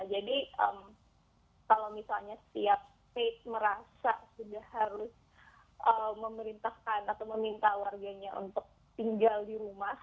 jadi kalau misalnya setiap stage merasa sudah harus memerintahkan atau meminta warganya untuk tinggal di rumah